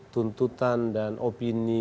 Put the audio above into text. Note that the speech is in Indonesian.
tuntutan dan opini